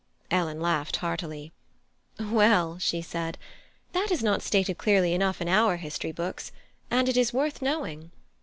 Ellen laughed heartily. "Well," she said, "that is not stated clearly enough in our history books, and it is worth knowing.